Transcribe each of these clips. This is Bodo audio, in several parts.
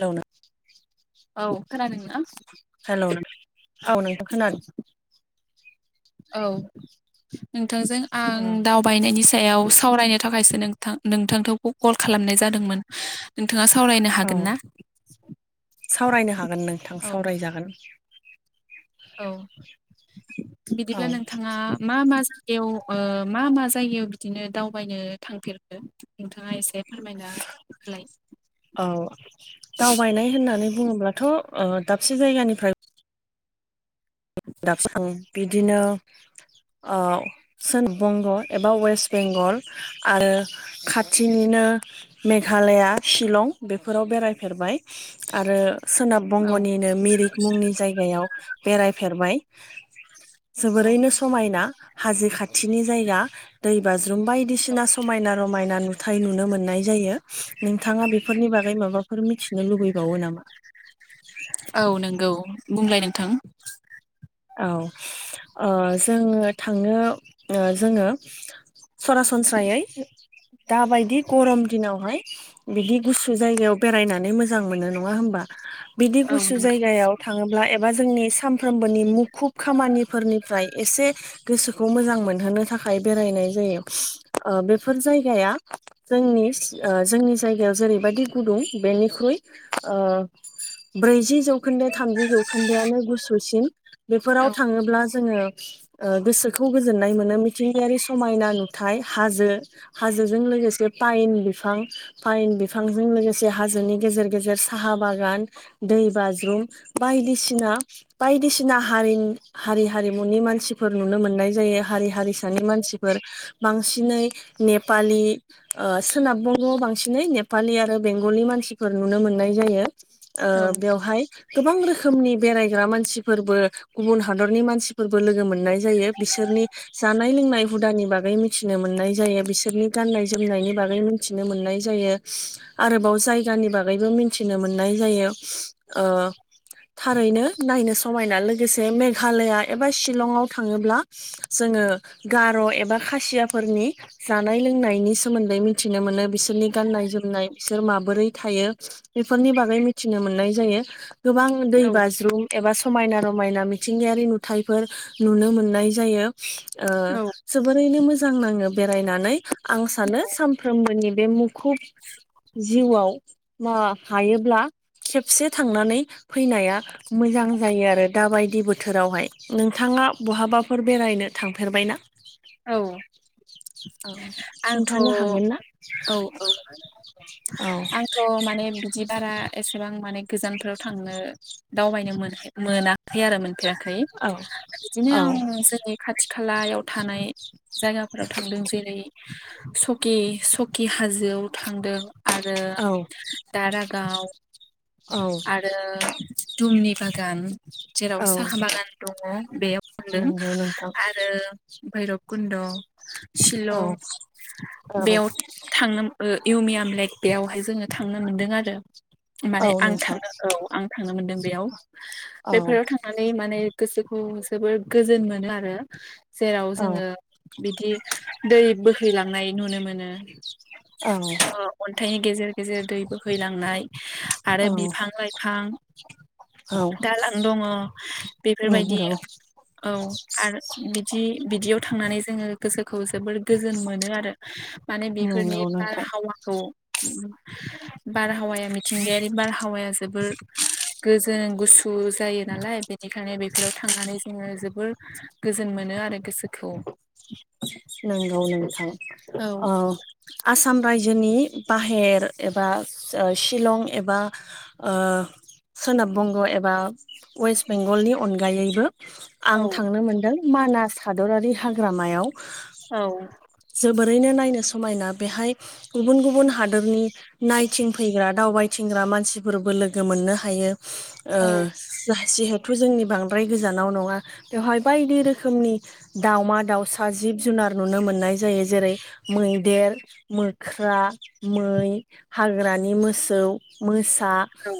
हेलौ नो औ खोनादोंना? हेल' नों औ नोंथां खोनादों औ नोंथांजों आं दावबायनायनि सो सायाव सावरायनो थाखायसो नोंथांखौ कल खालामनाय जादोंमोन नोंथाङा सावरायनो औ हागोन ना? सावरायनो हागोन नोंथां औ सावरायजागोन। औ औ बिदिब्ला नोंथाङा मा मा गायाव मा मा जायगायाव बिदिनो दावबायनो थांफेरखो नोंथाङा एसे फोरमायना होलाय औ दावबायनाय होननानै बुङोब्लाथ' ओ दाबसे जायगानिफ्राय दाबसे [unintelligible] बिदिनो ओ सोनाब बंग' एबा वेस्ट बेंगल आरो खाथिनिनो मेघालया शिलं बेफोराव बेरायफेरबाय आरो सोनाब औ बंग'निनो मिरिक मुंनि जायगायाव बेरायफेरबाय औ जोबोरैनो समायना हाजो खाथिनि जायगा दैबाज्रु म बायदिसिना समायना रमायना नुथाय नुनो मोननाय जायो नोंथाङा बेफोरनि बागै माबाफोर मिथिनो लुबैबावो नामा? औ नंगौ बुंलाय नोंथां औ जोङो थांनो जोङो सरासनस्रायै दाबायदि गरम दिनावहाय बिदि गुसु जायगायाव बेरायनानै मोजां मोनो नङा होम बा बिदि औ गुसु नंगौ जायगायाव थाङोब्ला एबा जोंनि सानफ्रोमबोनि मु खुब खामानिफोरनिफ्राय एसे गोसोखौ मोजां मोनहोनो थाखाय बेरायनाय जायो बेफोर जायगाया जोंनि जोंनि जायगायाव जेरैबायदि गुदुं बेनिख्रुइ ओ ब्रैजि जौखोन्दो थामजि जौखोन्दोआनो गुसुसिन बेफोराव औ थाङोब्ला जोङो ओ गोसोखौ गोजोननाय मोनो मिथिंगायारि समायना नुथाय हाजो हाजोजों लोगोसे पाइन बिफां पाइन बिफांजों लोगोसे हाजोनि गेजेर गेजेर साहा बाग गान दै बाज्रुम बायदिसिना बायदिसिना हारि हारि हारिमुनि मानसिफोर नुनो मोननाय जायो हारि हारिसानि मानसिफोर बांसिनै नेपालि सोनाब बग'आव बांसिनै नेपालि आरो बेंगलि मानसि मानसिफोर नुनो मोननाय जायो ओ बेवहाय गोबां रोखोमनि बेरायग्रा मानसिफोरबो गुबुन हादरनि मानसिफोरबो लोगो मोननाय जायो बिसोरनि जानाय लोंनाय हुदानि बागै मिथिनो मोननाय जायो बिसोरनि गाननाय जोमनायनि बागै मिथिनो मोननाय जायो आरोबाव जायगानि बागैबो मिथिनो मोननाय जायो ओ थारैनो नायनो समायना लोगोसे मेघालया एबा शिलंआव थाङोब्ला जोङो गार' एबा खासियाफोरनि जानाय लोंनायनि सोमोन्दै मिथिनो मोनो बिसोरनि गाननाय जोमनाय बिसोर माबोरै थायो बेफोरनि बागै मिथिनो मोननाय जायो गोबां दै औ बाज्रुम एबा समायना रमायना मिथिंगायारि नुथाइफोर नुनो मोननाय जायो ओ औ जोबोरैनो मोजां नाङो बेरायनानै आं सानो सानफ्रोमबोनि बे मुं खुब जिउआव मा हायोब्ला खेबसे थांनानै फैनाया मोजां जायो आरो दा बायदि बो थोरावहाय नोंथाङा बहाबाफोर बेरायनो थांफेरबाय ना? औ आंथ' खिन्थानो हागोन औ ना? औ औ आंथ' माने बिदि बारा एसेबां माने गोजानफोराव थांनो दावबायनो मोनाखै मोनाखै आरो मोनफेराखै औ बिदिनो आं औ जोंनि खाथि खालायाव थानाय जायगाफोराव थांदों जेरै सकि सकि हाजोआव थांदों आरो दारागाव औ आरो थुमनि बागान जेराव औ साहा बागान दङ बेयाव थांदों नंगौ नोंथां आरो भैरब कुन्द' औ सिलं औ बेयाव थांनो इउमिया बेयावहाय जोङो थांनो मोनदों आरो औ माने आं नोंथां थाङो औ आं थांनो मोनदों बेयाव औ बेफोराव थांनानै माने गोसोखौ जोबोर गोजोन मोनो आरो जेराव औ जोङो बिदि दै बोहैलांनाय नुनो मोनो औ अन्थाइनि गेजेर गेजेर दै बोहैलांनाय आरो बिफां लाइफां औ दालां दङ बेफोरबायदि नंगौ औ आरो बिदि बिदियाव थांनानै जोङो गोसोखौ जोबोर गोजोन मोनो आरो माने बेफोरनि नंगौ नोंथां बारहावाखौ बारहावाया मिथिंगायारि बारहावाया जोबोर गोजोन गुसु जायो नालाय बेनिखायनो बेफोराव थांनानै जोङो जोबोर गोजोन मोनो आरो गोसोखौ नंगौ नोंथां औ आसाम रायजोनि बाहेर एबा शिलं एबा सोनाब बंग' एबा वेस्ट बेंगलनि अनगायैबो आं औ थांनो मोनदों मानास हादरारि हाग्रामायाव औ जोबोरैनो नायनो स समायना बेहाय गुबुन गुबुन हादोरनि नायथिंफैग्रा दावबायथिंग्रा मानसिफोरबो लोगो मोननो हायो ओ जिहेथु जोंनि बांद्राय गोजानाव नङा बेवहाय बायदि रोखोमनि दाउमा दाउसा जिब जुनार नुनो मोननाय जायो जेरै मैदेर मोख्रा मै हाग्रानि मोसौ मोसा औ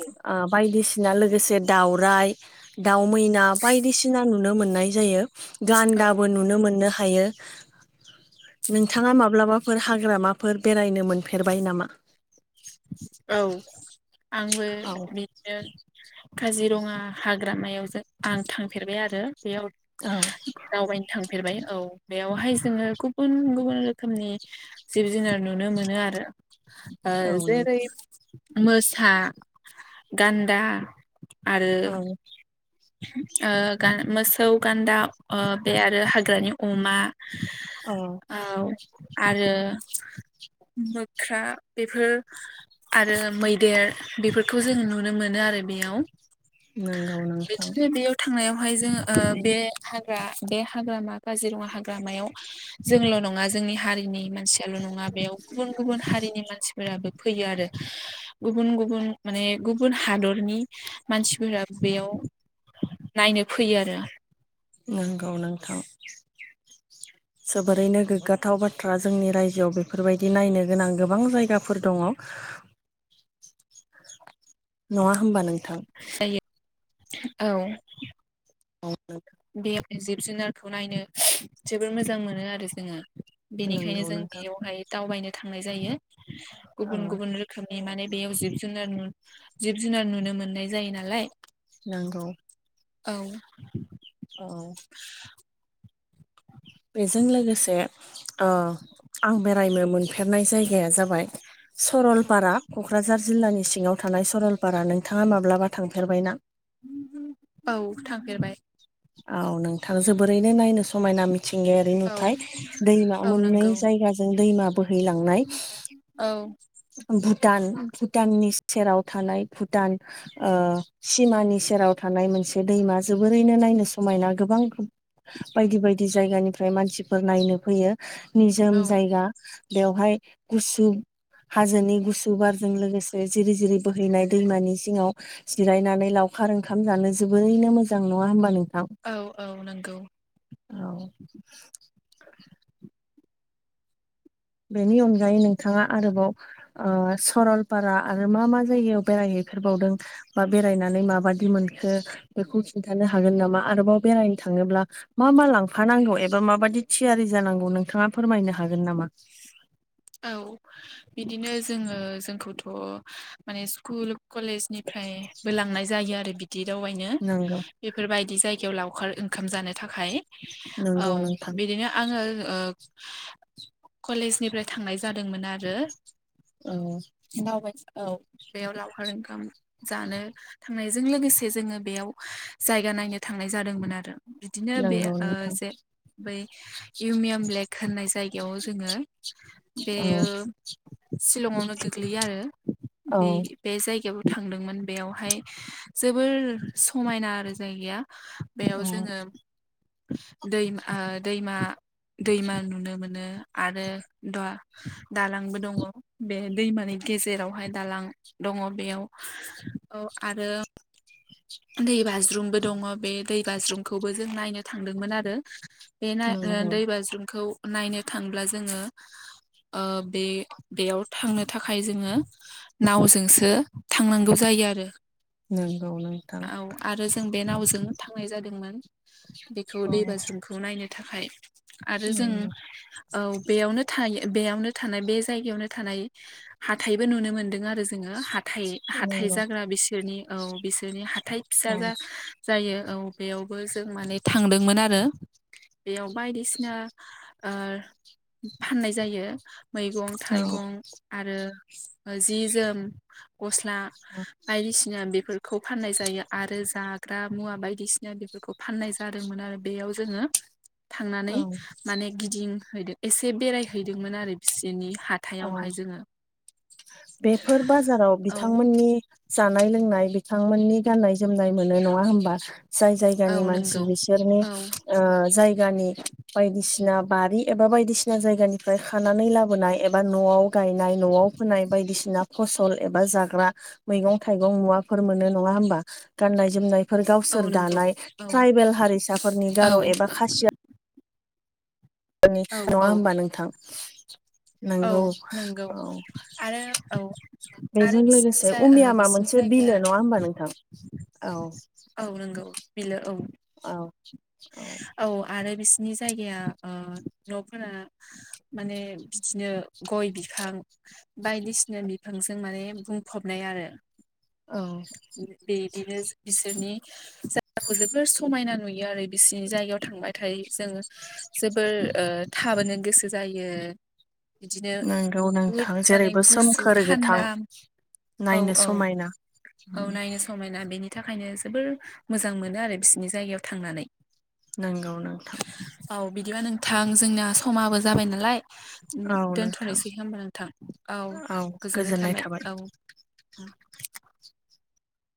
बायदिसिना लो लोगोसे दाउराइ दाउ मैना बायदिसिना नुनो मोननाय जायो गान्दाबो नुनो मोननो हायो नोंथाङा माब्लाबाफोर हाग्रामाफोर बेरायनो मोनफेरबाय नामा? औ आंबो औ बिदिनो काजिरङा हाग्रामायाव जों आं थांफेरबाय आरो बेयाव औ दावबायनो थां फेरबाय औ बेयावहाय जोङो गुबुन गुबुन रोखोमनि जिब जुनार नुनो मोनो आरो ओ औ जेरै नोंथां मोसा गान्दा आरो औ ओ मोसौ गान्दा बे आरो हाग्रानि अमा औ औ आरो [inaudible] मोख्रा बेफोर आरो मैदेर बेफोरखौ जोङो नुनो मोनो आरो बेयाव नोंगौ बिदिनो बेयाव थांनायावहाय जों बे बे हाग्रामा काजिरङा हाग्रामायाव जोंल' नङा जोंनि हारिनि मानसि ल' नङा बेयाव गुबुन गुबुन हारिनि मानसिफोराबो फैयो आरो गुबुन गुबुन माने गुबुन हादरनि मानसिफोरा बेयाव नायनो फैयो आरो नंगौ नोंथां जोबोरैनो गोग्गाथाव बाथ्रा जोंनि रायजोआव बेफोरबायदि नायनो गोनां गोबां जायगाफोर दङ [inaudible] नङा होमबा नोंथां जायो औ औ बे जिब जुनारखौ नायनो जोबोर मोजां मोनो आरो जोङो बेनिखायनो नंगौ जों नोंथां बेयावहाय दावबायनो थांनाय जायो औ गुबुन गुबुन रोखोमनि माने बेयाव जिब जुनार जिब जुनार नुनो मोननाय जायो नालाय नंगौ औ औ बेजों लोगोसे ओ आं बेरायनो मोनफेरनाय जायगाया जाबाय सरलपारा क'क्राझार जिल्लानि सिङाव थानाय सरलपारा नोंथाङा माब्लाबा थांफेरबाय ना? औ थांफेरबाय। औ नोंथां जोबोरैनो नायनो समायना मि मिथिंगायारि औ नुथाय दैमा औ मोननै नंगौ जायगाजों दैमा बोहैलांनाय औ भुटान भुटाननि सेराव थानाय भुटान ओ सिमानि सेराव थानाय मोनसे दैमा जोबोरैनो नायनो समायना गोबां बायदि बायदि जायगानिफ्राय मानसिफोर नायनो फैयो निजोम औ जायगा बेवहाय गुसु हाजोनि गुसु बारजों लोगोसे जिरि जिरि बोहैनाय दैमानि जिङाव जिरायनानै लाव खार ओंखाम जानो जोबोरैनो मोजां नङा होमबा नों थां औ औ नंगौ औ बेनि अनगायै नोंथाङा आरोबाव ओ सरलपारा आरो मा मा जायगायाव बेरायहैयो हैफेरबावदों बा बेरायनानै मा बादि मोनखो बेखौ खिनथानो हागोन नाम आरोबाव बेराय थाङोब्ला मा मा लांफानांगौ एबा माबायदि थियारि जानांगौ नोंथाङा फोरमायनो हागोन नामा? औ बिदिनो जोङो जोंखौथ' माने स्कुल कलेजनिफ्राय बो लांनाय जायो आरो बिदि दावबायनो नंगौ बेफोरबायदि बिदि जायगायाव लावखार ओंखाम जानो थाखाय औ नंगौ नोंथां बिदिनो आङो कलेज निफ्राय थांनाय जादोंमोन आरो औ दावबाय औ बेयाव लावखार ओंखाम जानो थांनायजों लोगोसे जोङो बेयाव जायगा नायनो थांनाय जादोंमोन आरो बिदिनो बे नंगौ ओ नोंथां जे बै इउमियाम लेक होननाय जायगायाव जोङो औ बेयो शिलंआवनो गोग्लैयो आरो औ बे बे जायगायावबो थांदोंमोन बेयाव बेवहाय जोबोर समायना आरो जायगाया बेयाव औ जोङो दैमा दैमा दैमा नुनो मोनो आरो दवा दालांबो दङ बे दैमानि गेजेरावहाय दालां दङ बेयाव औ आरो [unintelligible] दै बाज्रुमबो दङ बे दै बाज्रुमखौबो जों नायनो थांदोंमोन आरो बे नाय ओ नंगौ दै बाज्रुमखौ नायनो थांब्ला जोङो ओ बे बेयाव थांनो थाखाय जोङो नावजोंसो थांनांगौ जायो यो आरो [unintelligible] औ आरो जों बे नावजोंनो थांनाय जादों मोन बेखौ औ दै बाज्रुमखौ नायनो थाखाय आरो जों नंगौ औ बेयावनो थायो बेयावनो थानाय बे जायगायावनो थानाय हाथायबो नुनो मोनदों आरो जोङो हा थाय हाथाय नंगौ जाग्रा बिसोरनि औ बिसोरनि हाथाय फिसा औ जा यो औ बेयावबो जों माने थांदोंमोन आरो बेयाव बायदिसिना ओ फाननाय जायो मैगं थाइगं औ आरो जि जोम गस्ला बायदिसिना बेफोर खौ फाननाय जायो आरो जाग्रा मुवा बायदिसिना बेफोरखौ फाननाय जादोंमोन आरो बेयाव जोङो थांनानै औ माने गिदिंहैदों एसे बेरायहैदोंमोन आरो बिसोरनि औ हाथायावहाय जोङो बेफोर बाजाराव औ बिथांमोननि जानाय लोंनाय बिथांमोननि गान्नाय जोमनाय मोनो नङा होमबा जाय औ जायगानि मानसि नंगौ बिसोरनि औ ओ जाय गानि बायदिसिना बारि एबा बायदिसिना जायगानिफ्राय खानानै लाबोनाय एबा न'आव गायनाय न'आव फोनाय बायदिसिना फसल एबा जाग्रा मैगं थाइगं मुवाफोर मोनो नङा होमबा गाननाय जोमनाय फोर औ गावसोर नंगौ दानाय औ ट्राइबेल हारिसाफोरनि औ गार' एबा खासिया औ नङा औ होमबा नोंथां औ नंगौ नंगौ औ आरो औ आरो बेजों बिसिनि लोगोसे जा ओ उमियामा बिसिनि मोनसे जायगाया बिलो नङा हबा नोंथां औ औ नंगौ बिलो औ औ औ आरो बिस नि जायगाया ओ न'फोरा माने बिदिनो गय बिफां बायदिसिना बिफांजों माने बुंफबनाय आरो औ बेदिनो बिसोरनि जायाखौ जोबोर समायना नुयो आरो बिसिनि जायगायाव थांबाय थायो जोंङो जोबोद ओ थाबोनो गोसो जायो बिदिनो नंगौ बहुद नोंथां माने जेरैबो गुसु सोमखोर गोथां थानदा औ नायनो औ समायना औ नायनो समायना बेनि बिनि थाखायनो जोबोर मोजां मोनो आरो बिसिनि जायगायाव थांनानै नोंगौ नोंथां थां जोंना समाबो जाबाय नालाय उम औ नोंथां दोनथ'नोसै होमबा नोंथां औ गोजोननाय थाबाय औ [inaudible]